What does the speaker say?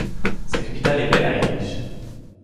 Sa capitale est El-Arich.